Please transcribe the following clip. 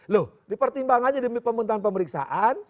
loh dipertimbangannya demi pembentangan pemeriksaan